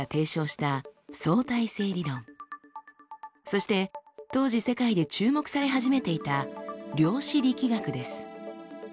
そして当時世界で注目され始めていた「量子力学」です。